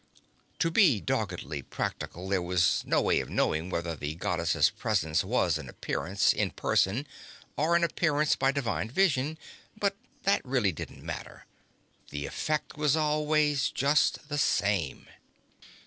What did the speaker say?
To be doggedly practical, there was no way of knowing whether the Goddess's presence was an appearance in person, or an "appearance" by Divine Vision. But that really didn't matter. The effect was always just the same.